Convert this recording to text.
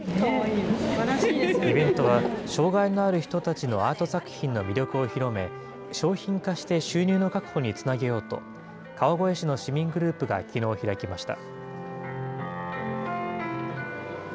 イベントは、障害のある人たちのアート作品の魅力を広め、商品化して収入の確保につなげようと、川越市の市民グループがきのう開きました。